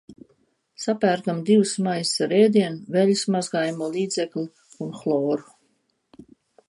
Sapērkam divus maisus ar ēdienu, veļas mazgājamo līdzekli un hloru.